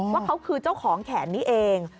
ว่าเขาคือเจ้าของแขนนี้เอง